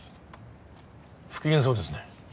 不機嫌そうですね